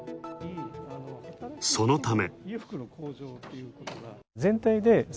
そのため。